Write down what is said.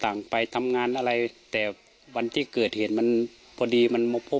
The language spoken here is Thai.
ถ้าเราทำแบบที่สารยมาตลอดก็จะมีผู้ใหญ่ช่วยไม่ได้